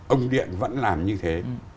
ông điện vẫn làm như thế